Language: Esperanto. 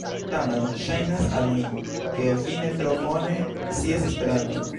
Tamen ŝajnas al mi, ke vi tre bone scias Esperanton.